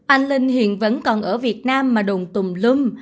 anh linh hiện vẫn còn ở việt nam mà đồn tùm lum